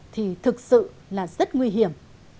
thì thực sự là rất nguy hiểm